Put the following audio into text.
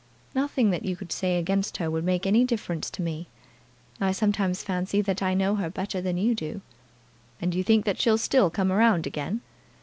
"Nothing that you could say against her would make any difference to me. I sometimes fancy that I know her better than you do." "And you think that she'll still come round again?"